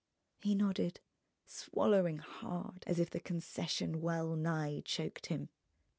He nodded, swallowing hard, as if the concession well nigh choked him.